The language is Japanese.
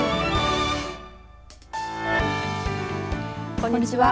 こんにちは。